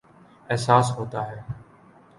احساس ہوتاہے